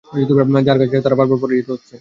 যার কাছে তারা বারবার পরাজিত হচ্ছে।